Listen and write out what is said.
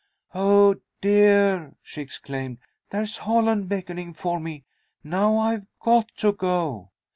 "Oh, dear!" she exclaimed. "There's Holland beckoning for me. Now I've got to go."